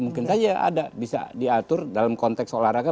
mungkin saja ada bisa diatur dalam konteks olahraga